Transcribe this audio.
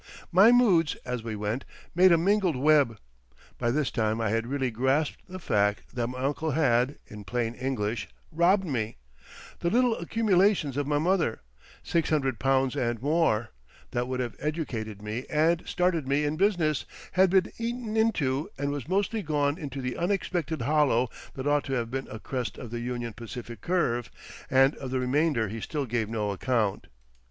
My moods, as we went, made a mingled web. By this time I had really grasped the fact that my uncle had, in plain English, robbed me; the little accumulations of my mother, six hundred pounds and more, that would have educated me and started me in business, had been eaten into and was mostly gone into the unexpected hollow that ought to have been a crest of the Union Pacific curve, and of the remainder he still gave no account.